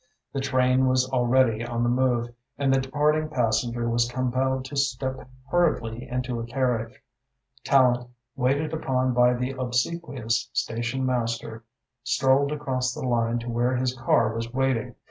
The train was already on the move, and the departing passenger was compelled to step hurriedly into a carriage. Tallente, waited upon by the obsequious station master, strolled across the line to where his car was waiting.